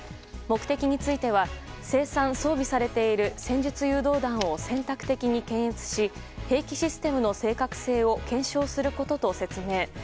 目的については生産・装備されている戦術誘導弾を選択的に検閲し兵器システムの正確性を検証することと説明。